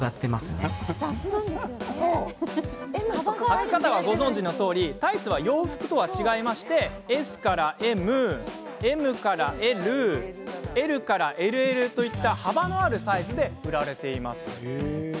はく方は、ご存じのとおりタイツは洋服とは違いましてＳＭ、ＭＬ、ＬＬＬなどの幅のあるサイズで売られています。